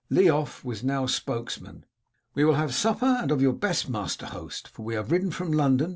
Leof was now spokesman. "We will have supper, and of your best, master host, for we have ridden from London.